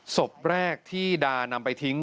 ศพแรกที่ดานำไปทิ้ง